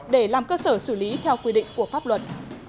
để làm cơ sở xử lý theo quy định của pháp luật